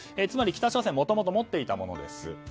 つまり北朝鮮がもともと持っていたものです。